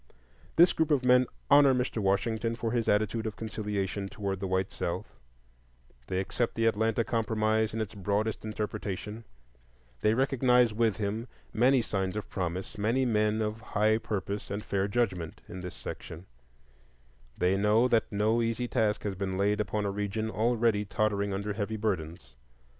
This group of men honor Mr. Washington for his attitude of conciliation toward the white South; they accept the "Atlanta Compromise" in its broadest interpretation; they recognize, with him, many signs of promise, many men of high purpose and fair judgment, in this section; they know that no easy task has been laid upon a region already tottering under heavy burdens.